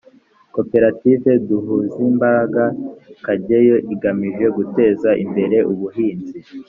koperative duhuzimbaraga kageyo igamije guteza imbere ubuhinzi